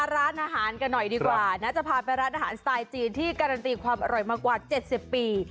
ร้านอาหารกันหน่อยดีกว่านะจะพาไปร้านอาหารสไตล์จีนที่การันตีความอร่อยมากว่า๗๐ปี